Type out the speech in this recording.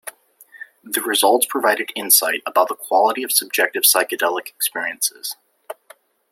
The results provided insight about the quality of subjective psychedelic experiences.